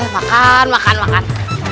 makan makan makan